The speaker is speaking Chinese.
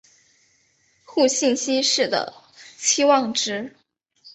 互信息是的期望值。